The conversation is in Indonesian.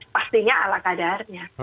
pastinya ala kadarnya